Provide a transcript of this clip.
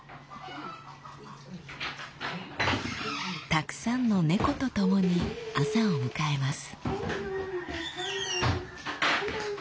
たくさんの猫とともに朝を迎えます。